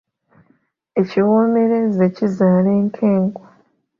Ekiwoomereze kizaala enkenku.